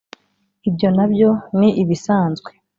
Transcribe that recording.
Ibyo na byo ni ibisanzwe